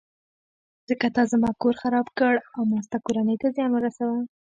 ځکه تا زما کور خراب کړ او ما ستا کورنۍ ته زیان ورساوه.